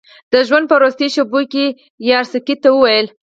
د ژوند په وروستیو شېبو کې یاورسکي ته وویل.